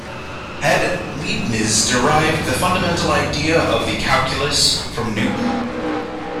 Had Leibniz derived the fundamental idea of the calculus from Newton?